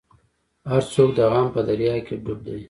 هر څوک د غم په دریا کې ډوب وو.